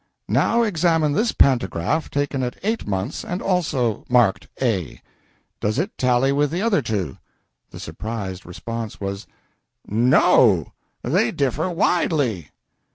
"Now examine this pantograph, taken at eight months, and also marked A. Does it tally with the other two?" The surprised response was "No they differ widely!"